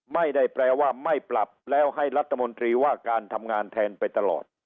ไม่ได้แปลว่าไม่ปรับแล้วให้รัฐมนตรีว่าการทำงานแทนไปตลอด